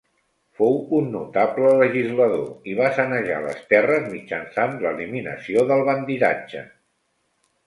Fou un notable legislador i va sanejar les terres mitjançant l'eliminació del bandidatge.